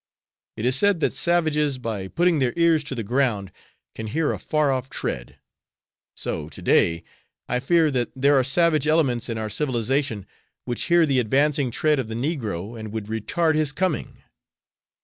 It is said that savages, by putting their ears to the ground, can hear a far off tread. So, to day, I fear that there are savage elements in our civilization which hear the advancing tread of the negro and would retard his coming.